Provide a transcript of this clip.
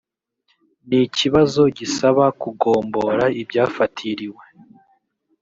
n ikibazo gisaba kugombora ibyafatiriwe